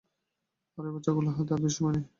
আর ওই বাচ্চাগুলোর হাতে আর বেশি সময় নেই।